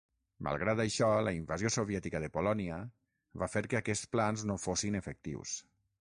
Malgrat això, la invasió soviètica de Polònia va fer que aquests plans no fossin efectius.